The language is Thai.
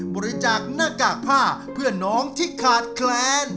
บริจาคหน้ากากผ้าเพื่อนน้องที่ขาดแคลน